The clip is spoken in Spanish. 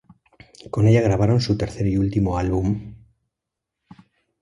Con ella grabaron su tercer y último álbum.